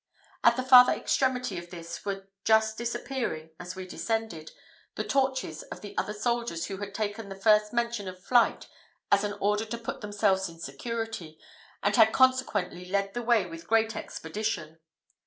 At the farther extremity of this were just disappearing, as we descended, the torches of the other soldiers who had taken the first mention of flight as an order to put themselves in security, and had consequently led the way with great expedition.